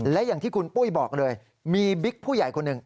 และอย่างที่คุณปุ้ยบอกเลยมีบิ๊กผู้ใหญ่คนหนึ่ง